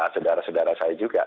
saudara saudara saya juga